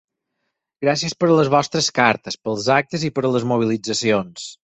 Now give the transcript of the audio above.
Gràcies per les vostres cartes, pels actes i per les mobilitzacions.